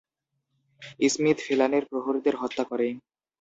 Smith ফেলিনার প্রহরীদের হত্যা করে।